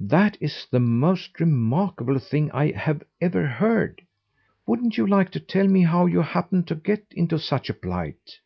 "That is the most remarkable thing I have ever heard! Wouldn't you like to tell me how you happened to get into such a plight?"